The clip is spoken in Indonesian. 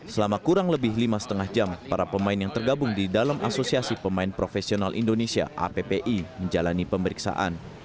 selama kurang lebih lima lima jam para pemain yang tergabung di dalam asosiasi pemain profesional indonesia appi menjalani pemeriksaan